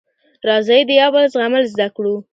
راځی د یوبل زغمل زده کړو